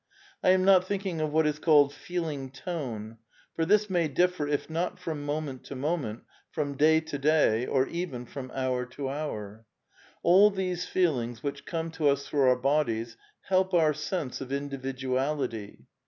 I am not thinking of what is called feeling tone,^^ for this may differ, if not from moment to moment, from day to day, or even from hour to hour. All these feelings which come to us through our bodies help our sense of individu ality.